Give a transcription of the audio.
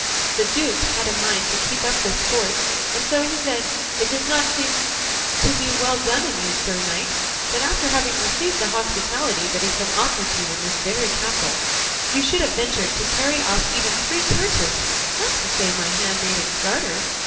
The duke had a mind to keep up the sport, so he said, "It does not seem to me well done in you, sir knight, that after having received the hospitality that has been offered you in this very castle, you should have ventured to carry off even three kerchiefs, not to say my handmaid's garters.